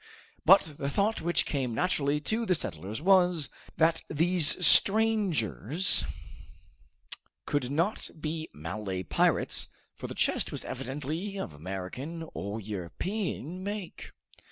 But the thought which came naturally to the settlers was, that these strangers could not be Malay pirates, for the chest was evidently of American or European make.